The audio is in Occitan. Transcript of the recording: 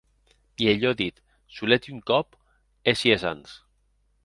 Mielhor dit, solet un còp, hè sies ans.